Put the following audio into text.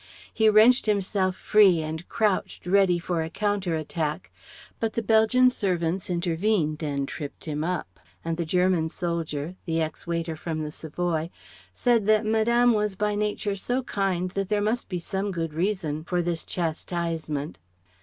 He wrenched himself free and crouched ready for a counter attack. But the Belgian servants intervened and tripped him up; and the German soldier the ex waiter from the Savoy said that Madame was by nature so kind that there must be some good reason for this chastisement.